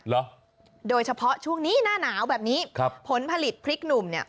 โดยเฉพาะช่วงนี้หน้าหนาวแบบนี้ครับผลผลิตพริกหนุ่มเนี่ย